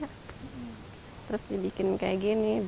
terus dibikin seperti ini